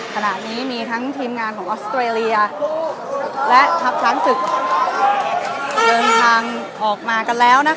ขณะนี้มีทั้งทีมงานของออสเตรเลียและทัพช้างศึกเดินทางออกมากันแล้วนะคะ